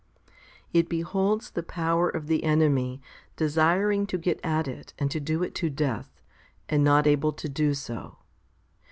13. It beholds the power of the enemy desiring to get at it and do it to death, and not able to do so.